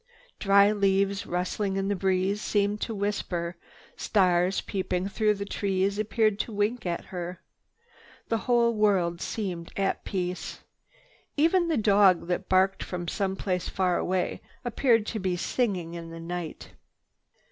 Dry leaves, rustling in the breeze, seemed to whisper, stars, peeping through the trees, appeared to wink at her. The whole world seemed at peace. Even the dog that barked from some place far away appeared to be singing in the night.